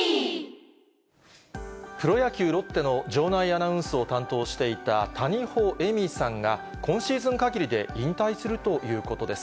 プロ野球・ロッテの場内アナウンスを担当していた谷保恵美さんが、今シーズンかぎりで引退するということです。